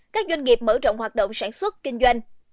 các doanh nghiệp mở rộng hoạt động sản xuất kinh doanh